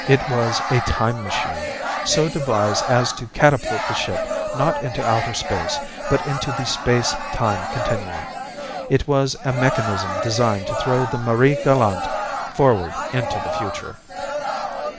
It was a time machine, so devised as to catapult the ship not into outer space, but into the space time continuum. It was a mechanism designed to throw the Marie Galante forward into the future."